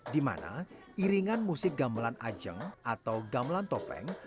dimana iringan musik gamelan ajeng atau gamelan topeng